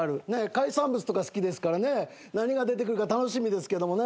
海産物とか好きですからね何が出てくるか楽しみですけどもね。